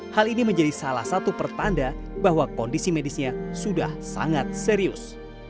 hal ini menjadi salah satu pertanda bahwa kondisi medisnya sudah sangat serius